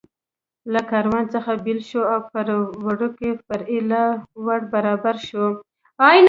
له کاروان څخه بېل شو او پر وړوکې فرعي لار ور برابر شو.